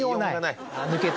抜けた。